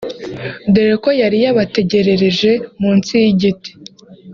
dore ko yari yabategerereje munsi y’igiti